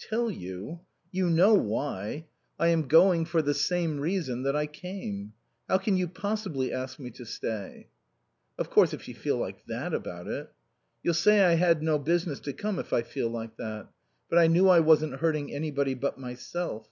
"Tell you? You know why. I am going for the same reason that I came. How can you possibly ask me to stay?" "Of course, if you feel like that about it " "You'll say I'd no business to come if I feel like that. But I knew I wasn't hurting anybody but myself.